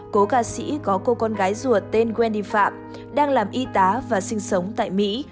cố ca sĩ có cô con gái rùa tên wendy farm đang làm y tá và sinh sống tại mỹ